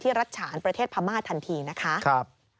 รัฐฉานประเทศพม่าทันทีนะคะ